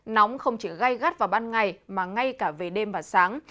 nóng không chỉ gai gắt vào ban ngày mà ngay cả về đêm và sáng